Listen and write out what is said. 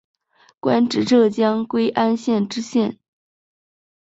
官至浙江归安县知县。